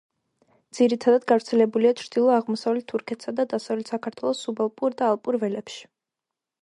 ძირითადად გავრცელებულია ჩრდილო-აღმოსავლეთ თურქეთსა და დასავლეთ საქართველოს სუბალპურ და ალპურ ველებში.